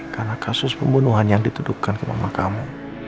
karena kasus pembunuhan yang dituduhkan ke mama kamu